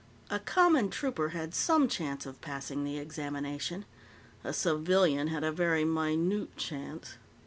A common trooper had some chance of passing the examination; a civilian had a very minute chance.